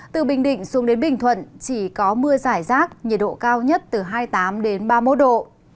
từ bình định xuống đến bình thuận chỉ có mưa giải rác nhiệt độ cao nhất từ hai mươi tám ba mươi một độ